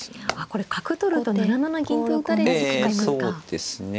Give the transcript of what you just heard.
これ角取ると７七銀と打たれてしまいますか。